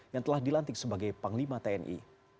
yang telah dilantik sebagai panglima tni